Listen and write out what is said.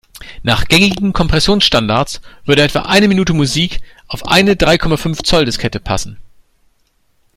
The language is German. Nach gängigen Kompressionsstandards würde etwa eine Minute Musik auf eine drei Komma fünf Zoll-Diskette passen.